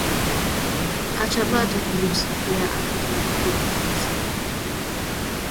Acha batu bakusifu apana kuji sifu